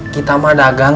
kita mah dagang